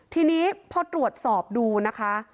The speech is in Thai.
ทีนี้พอตรวจสอบดูนะคะ